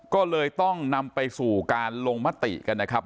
ก็เลยต้องนำไปสู่การลงมติกันนะครับ